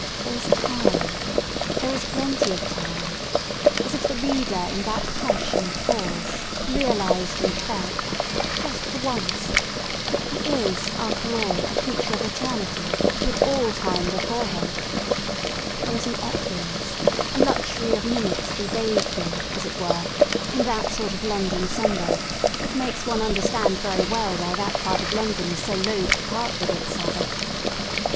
There is time, there is plenty of time^as if the reader in that hush and pause, realised and felt, just for once, that he is after all a creature of Eternity, with All Time before him* There is an opulence, a luxury of minutes to be bathed in, as it were, in that sort of London Sunday, that makes one understand very well why that part of London is so loth to part with its Sabbath.